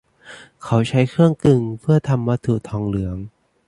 เขาใช้เครื่องกลึงเพื่อทำวัตถุทองเหลือง